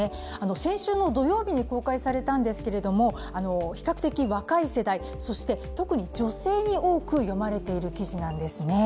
先週の土曜日に公開されたんですけれども、比較的若い世代、そして特に女性に多く読まれている記事なんですね。